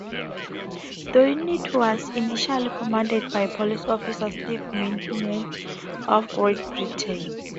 The unit was initially commanded by police officer Steve Minhinett, of Great Britain.